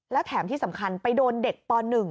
แล้วแถมที่สำคัญไปโดนเด็กป๑